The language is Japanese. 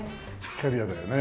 キャビアだよね。